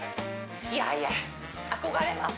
いやいや憧れます